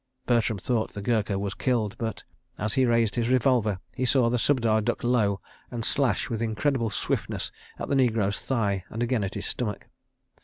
Bertram thought the Gurkha was killed but, as he raised his revolver, he saw the Subedar duck low and slash with incredible swiftness at the negro's thigh and again at his stomach.